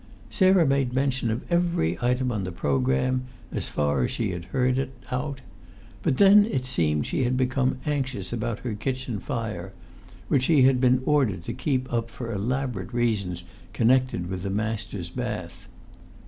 Sarah made mention of every item on the programme, as far as she had heard it out. But then it seemed she had become anxious about her kitchen fire, which she had been ordered to keep up for elaborate reasons connected with the master's bath.